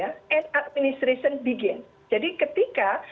ketika politiknya selesai admittedrasi yang jalan gitu dan tidak boleh dicampur aduk gitu